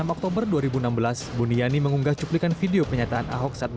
enam oktober dua ribu enam belas buniani mengunggah cuplikan video penyataan ahok saat